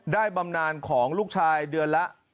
บำนานของลูกชายเดือนละ